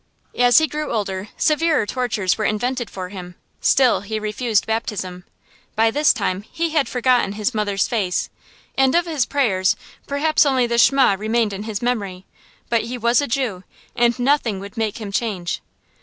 As he grew older, severer tortures were invented for him; still he refused baptism. By this time he had forgotten his mother's face, and of his prayers perhaps only the "Shema" remained in his memory; but he was a Jew, and nothing would make him change.